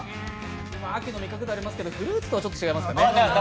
秋の味覚ではありますけどフルーツとはちょっと違いますね。